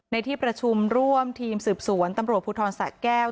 ในที่ประชุมร่วมทีมสืบสวนตำรวจภูทรสะแก้ว